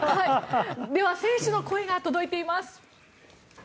では、選手の声が届いています。